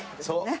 そう。